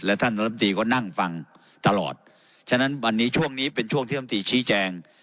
ท่านรัฐมนตรีก็นั่งฟังตลอดฉะนั้นวันนี้ช่วงนี้เป็นช่วงที่ลำตีชี้แจง